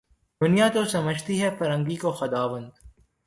دنیا تو سمجھتی ہے فرنگی کو خداوند